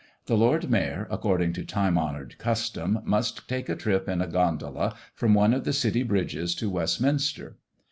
The Lord Mayor, according to time honored custom, must take a trip in a gondola from one of the City bridges to Westminster.